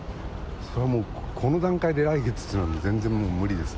それはもう、この段階で来月というのは全然無理です。